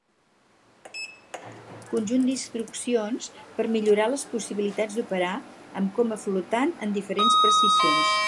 Conjunt d’instruccions per millorar les possibilitats d’operar amb coma flotant en diferents precisions.